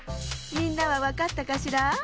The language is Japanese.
みんなはわかったかしら？